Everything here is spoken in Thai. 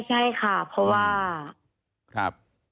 ใช่ค่ะเพราะว่า